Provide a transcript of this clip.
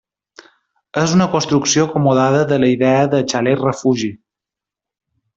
És una construcció acomodada a la idea de Xalet-Refugi.